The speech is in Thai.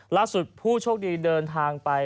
ล่าสุดผู้โชคดีเดินทางไป